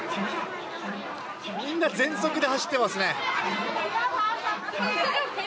みんな全速で走ってますね。